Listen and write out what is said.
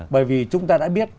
bởi vì chúng ta đã biết